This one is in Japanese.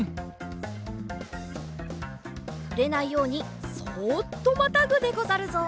ふれないようにそっとまたぐでござるぞ。